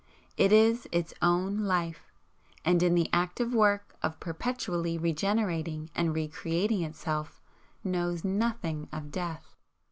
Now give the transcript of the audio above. It is its own Life, and in the active work of perpetually re generating and re creating itself, knows nothing of Death.